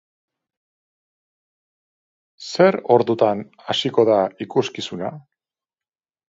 Zer ordutan hasiko da ikuskizuna?